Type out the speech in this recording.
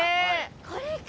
これか。